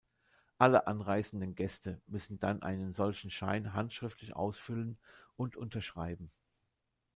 Alle anreisenden Gäste müssen dann einen solchen Schein handschriftlich ausfüllen und unterschreiben.